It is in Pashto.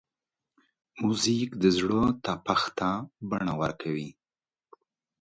موزیک د زړه تپښتا ته بڼه ورکوي.